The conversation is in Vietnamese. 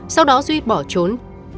sau đó duy bỏ trốn